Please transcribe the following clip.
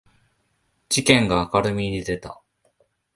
事件が明るみに出た